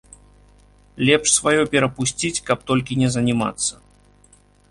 Лепш сваё перапусціць, каб толькі не занімацца.